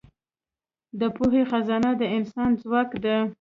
د پوهې خزانه د انسان ځواک ده.